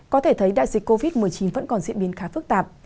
có thể thấy đại dịch covid một mươi chín vẫn còn diễn biến khá phức tạp